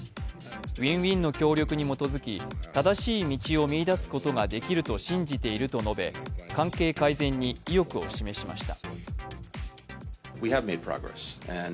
Ｗｉｎ−Ｗｉｎの協力に基づき正しい道を見いだすことができると信じていると述べ関係改善に意欲を示しました。